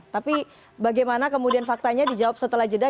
tapi bagaimana kemudian faktanya dijawab setelah jeda